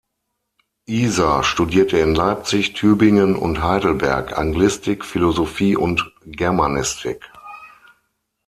Iser studierte in Leipzig, Tübingen und Heidelberg Anglistik, Philosophie und Germanistik.